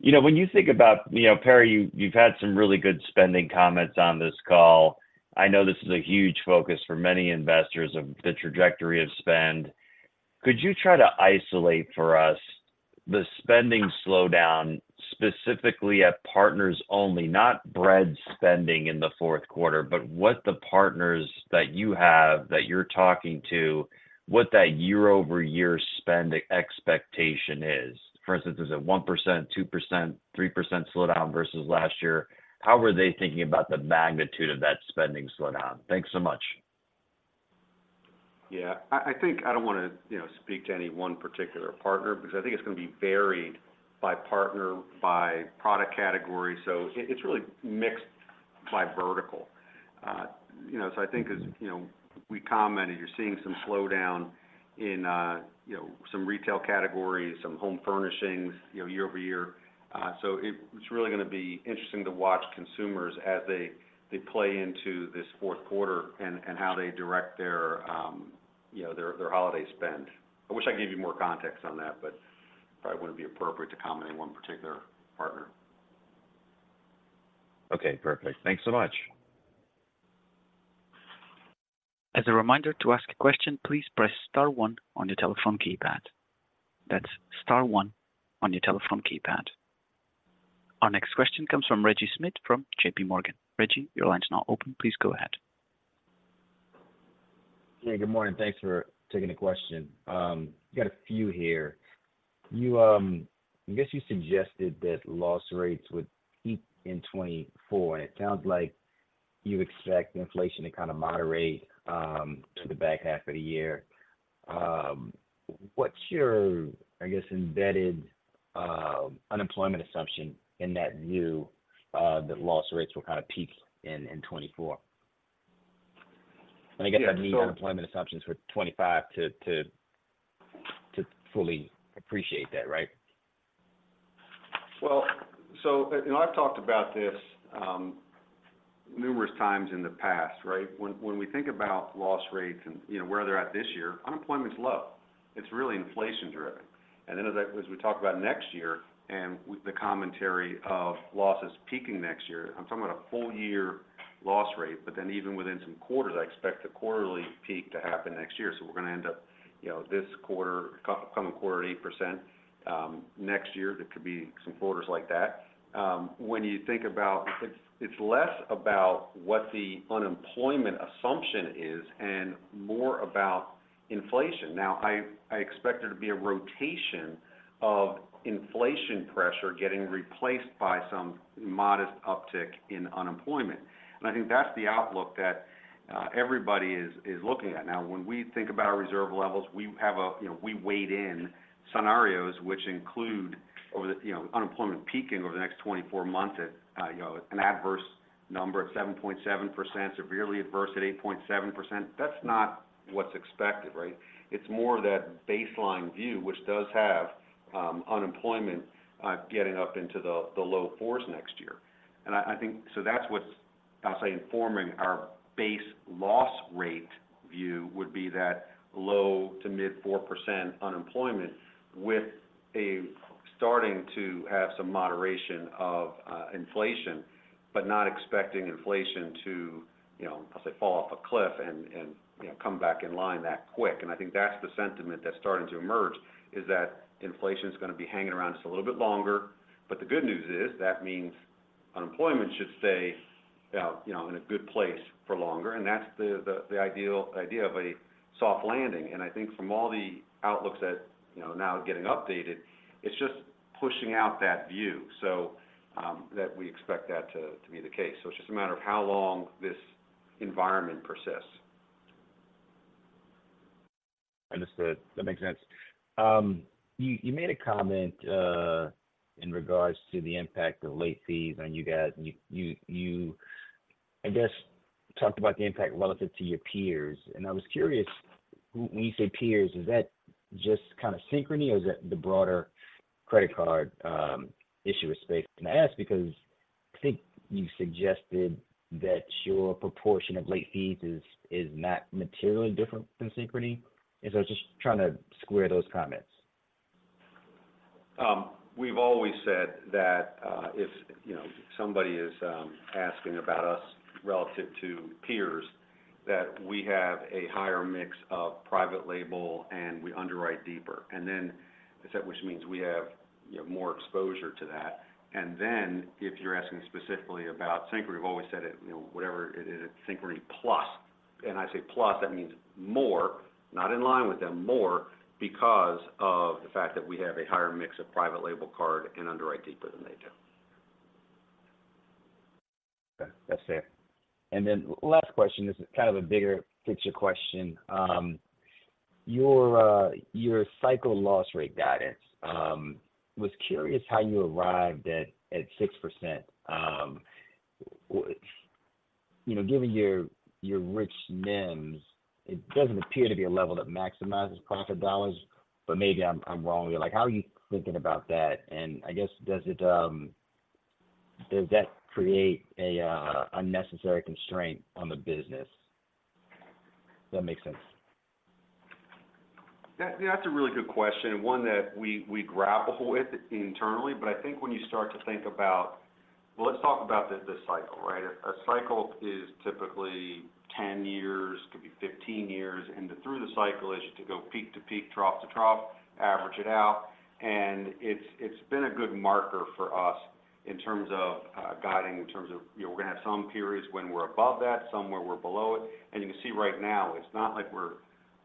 You know, when you think about, you know, Perry, you, you've had some really good spending comments on this call. I know this is a huge focus for many investors of the trajectory of spend. Could you try to isolate for us the spending slowdown, specifically at partners only, not Bread spending in the fourth quarter, but what the partners that you have, that you're talking to, what that year-over-year spending expectation is? For instance, is it 1%, 2%, 3% slowdown versus last year? How are they thinking about the magnitude of that spending slowdown? Thanks so much. Yeah. I think I don't want to, you know, speak to any one particular partner, because I think it's going to be varied by partner, by product category. So it's really mixed by vertical. You know, so I think as, you know, we commented, you're seeing some slowdown in, you know, some retail categories, some home furnishings, you know, year-over-year. So it's really going to be interesting to watch consumers as they play into this fourth quarter and how they direct their, you know, their holiday spend. I wish I could give you more context on that, but it probably wouldn't be appropriate to comment on one particular partner. Okay, perfect. Thanks so much. As a reminder, to ask a question, please press star one on your telephone keypad. That's star one on your telephone keypad. Our next question comes from Reggie Smith from JP Morgan. Reggie, your line is now open. Please go ahead. Hey, good morning. Thanks for taking the question. Got a few here. You, I guess you suggested that loss rates would peak in 2024, and it sounds like you expect inflation to kind of moderate to the back half of the year. What's your, I guess, embedded unemployment assumption in that view, that loss rates will kind of peak in 2024? And I guess I'd need unemployment assumptions for 2025 to fully appreciate that, right? Well, so, you know, I've talked about this, numerous times in the past, right? When we think about loss rates and, you know, where they're at this year, unemployment is low. It's really inflation-driven. And then as we talk about next year and the commentary of losses peaking next year, I'm talking about a full-year loss rate, but then even within some quarters, I expect a quarterly peak to happen next year. So we're going to end up, you know, this quarter, coming quarter at 8%. Next year, there could be some quarters like that. When you think about it's less about what the unemployment assumption is and more about inflation. Now, I expect there to be a rotation of inflation pressure getting replaced by some modest uptick in unemployment. I think that's the outlook that everybody is looking at. Now, when we think about our reserve levels, we have you know, we weigh in scenarios which include over the you know, unemployment peaking over the next 24 months at you know, an adverse number of 7.7%, severely adverse at 8.7%. That's not what's expected, right? It's more that baseline view, which does have unemployment getting up into the low 4s next year. And I think so that's what's, I'll say, informing our base loss rate view would be that low to mid 4% unemployment, with a starting to have some moderation of inflation, but not expecting inflation to you know, I'll say, fall off a cliff and you know, come back in line that quick. I think that's the sentiment that's starting to emerge, is that inflation is going to be hanging around just a little bit longer. But the good news is, that means unemployment should stay, you know, in a good place for longer, and that's the ideal idea of a soft landing. I think from all the outlooks that, you know, now are getting updated, it's just pushing out that view. So that we expect that to be the case. So it's just a matter of how long this environment persists. Understood. That makes sense. You made a comment in regards to the impact of late fees on you guys, and you, I guess, talked about the impact relative to your peers. And I was curious, when you say peers, is that just kind of Synchrony or is that the broader credit card issuer space? And I ask because I think you suggested that your proportion of late fees is not materially different than Synchrony. And so I was just trying to square those comments. We've always said that, if you know, somebody is asking about us relative to peers, that we have a higher mix of private label and we underwrite deeper. And then I said, which means we have, you know, more exposure to that. And then if you're asking specifically about Synchrony, we've always said it, you know, whatever it is, it's Synchrony plus. And I say plus, that means more, not in line with them, more because of the fact that we have a higher mix of private label card and underwrite deeper than they do. Okay. That's fair. And then last question, this is kind of a bigger picture question. Your cycle loss rate guidance, was curious how you arrived at 6%. Which you know, given your rich NIM, it doesn't appear to be a level that maximizes profit dollars, but maybe I'm wrong. Like, how are you thinking about that? And I guess, does that create a unnecessary constraint on the business? If that makes sense. That, that's a really good question, and one that we, we grapple with internally. But I think when you start to think about, well, let's talk about this, this cycle, right? A cycle is typically 10 years, could be 15 years, and through the cycle is to go peak to peak, trough to trough, average it out. And it's, it's been a good marker for us in terms of, guiding, in terms of, you know, we're going to have some periods when we're above that, some where we're below it. And you can see right now, it's not like we're,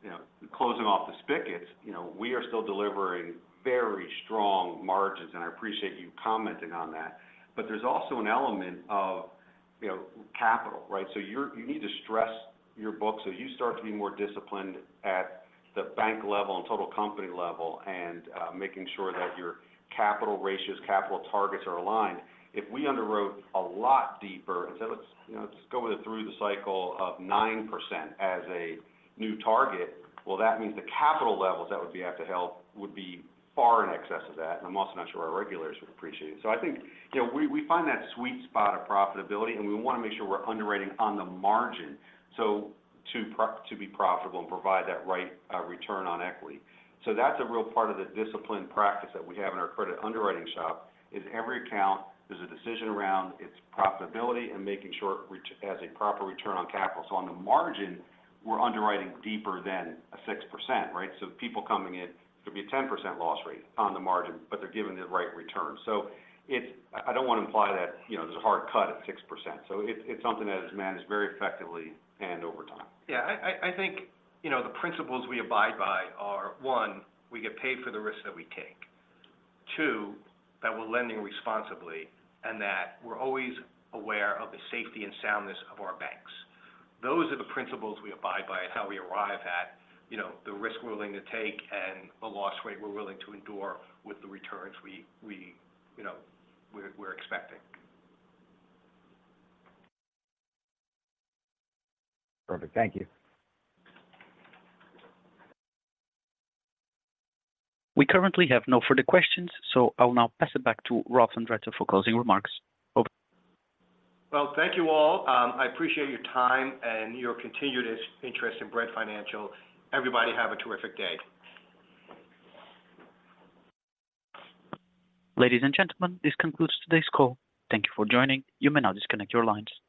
you know, closing off the spigots. You know, we are still delivering very strong margins, and I appreciate you commenting on that. But there's also an element of, you know, capital, right? So you need to stress your book, so you start to be more disciplined at the bank level and total company level, and making sure that your capital ratios, capital targets are aligned. If we underwrote a lot deeper and said, "Let's, you know, let's go through the cycle of 9% as a new target," well, that means the capital levels that would be have to help would be far in excess of that, and I'm also not sure our regulators would appreciate it. So I think, you know, we find that sweet spot of profitability, and we want to make sure we're underwriting on the margin, so to be profitable and provide that right return on equity. So that's a real part of the disciplined practice that we have in our credit underwriting shop: every account, there's a decision around its profitability and making sure it has a proper return on capital. So on the margin, we're underwriting deeper than a 6%, right? So people coming in, there could be a 10% loss rate on the margin, but they're giving the right return. So it's—I don't want to imply that, you know, there's a hard cut at 6%. So it's something that is managed very effectively and over time. Yeah, I think, you know, the principles we abide by are, one, we get paid for the risk that we take. Two, that we're lending responsibly, and that we're always aware of the safety and soundness of our banks. Those are the principles we abide by and how we arrive at, you know, the risk we're willing to take and the loss rate we're willing to endure with the returns we're expecting. Perfect. Thank you. We currently have no further questions, so I'll now pass it back to Ralph Andretta for closing remarks. Over to you. Well, thank you all. I appreciate your time and continued interest in Bread Financial. Everybody, have a terrific day. Ladies and gentlemen, this concludes today's call. Thank you for joining. You may now disconnect your lines.